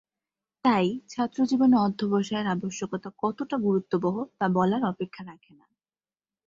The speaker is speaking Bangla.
তাই ছাত্র জীবনে অধ্যবসায়ের আবশ্যকতা কতটা গুরুত্ববহ তা বলার অপেক্ষা রাখে না।